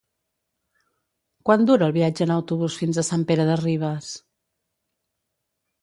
Quant dura el viatge en autobús fins a Sant Pere de Ribes?